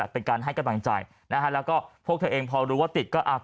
เป็นการให้กำลังใจนะฮะแล้วก็พวกเธอเองพอรู้ว่าติดก็อ่า